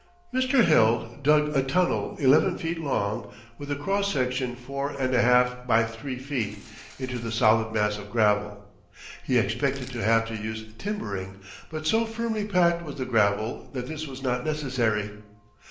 Mr. Heald dug a tunnel eleven feet long, with a cross section four and a half by three feet, into the solid mass of gravel. He expected to have to use timbering, but so firmly packed was the gravel that this was not necessary.